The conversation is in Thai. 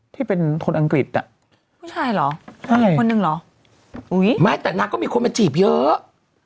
ที่เป็นคนอังกฤษอ่ะไม่ใช่เหรอใช่คนหนึ่งเหรออุ้ยไม่แต่นักก็มีคนมาจีบเยอะ